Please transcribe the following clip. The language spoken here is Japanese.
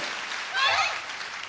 はい！